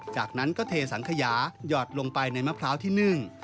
จากนั้นก็เทสังขยาหยอดลงไปในมะพร้าวที่นึ่ง